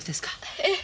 ええ。